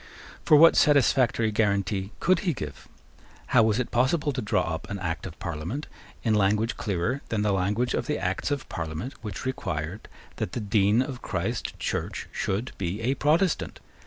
For what satisfactory guarantee could he give? How was it possible to draw up an Act of Parliament in language clearer than the language of the Acts of Parliament which required that the Dean of Christ Church should be a Protestant?